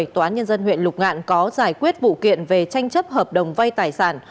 tòa án nhân dân huyện lục ngạn có giải quyết vụ kiện về tranh chấp hợp đồng vay tài sản